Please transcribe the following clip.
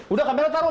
udah kamera taruh